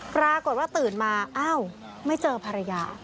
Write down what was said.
ปรากฏว่าตื่นมาอ้าวไม่เจอภรรยา